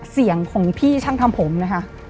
เสียงของพี่ช่างทำผมนะคะ